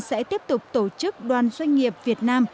sẽ tiếp tục tổ chức đoàn doanh nghiệp việt nam